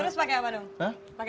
terus pakai apa dong